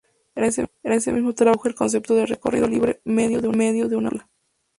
En este mismo trabajo introdujo el concepto de recorrido libre medio de una partícula.